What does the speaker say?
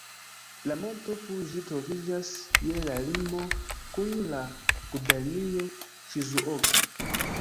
La Monto Fuĝi troviĝas je la limo kun la gubernio Ŝizuoka.